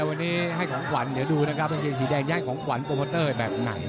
วันนี้ให้ของขวัญเดี๋ยวดูนะครับกางเกงสีแดงย้ายของขวัญโปรโมเตอร์แบบไหน